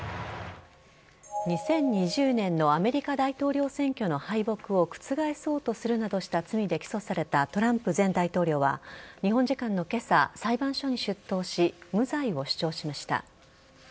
２０２０年のアメリカ大統領選挙の敗北を覆そうとするなどした罪で起訴されたトランプ前大統領は日本時間の今朝、裁判所に出頭し無罪を主張しました。